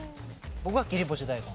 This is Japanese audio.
僕は切り干し大根。